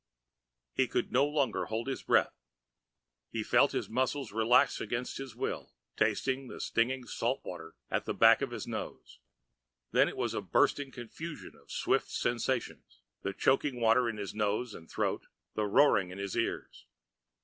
He could no longer hold his breath, felt his muscles relaxing against his will, tasted the stinging salt water at the back of his nose. Then it was a bursting confusion of swift sensations, the choking water in his nose and throat, the roaring in his ears.